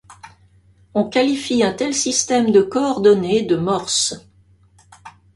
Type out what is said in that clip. On qualifie un tel système de coordonnées de Morse.